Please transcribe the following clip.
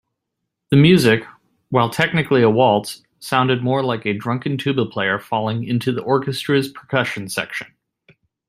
The music, while technically a waltz, sounded more like a drunken tuba player falling into the orchestra's percussion section.